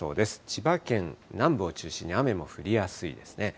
千葉県南部を中心に、雨も降りやすいですね。